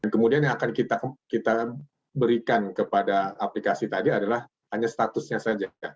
pemerintah yang akan diberikan kepada aplikasi tadi adalah hanya statusnya saja